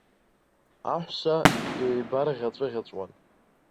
Аҳәса еибарӷьаҵәыӷьаҵәуан.